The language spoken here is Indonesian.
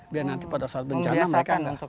biar nanti pada saat bencana mereka akan